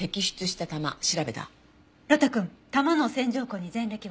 呂太くん弾の線条痕に前歴は？